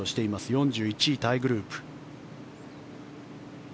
４１位タイグループ。